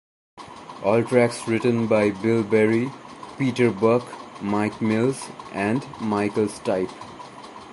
All tracks written by Bill Berry, Peter Buck, Mike Mills and Michael Stipe.